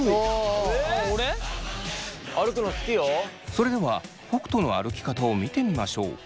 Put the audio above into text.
それでは北斗の歩き方を見てみましょう。